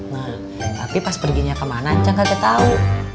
nah tapi pas perginya kemana ncang gak ketau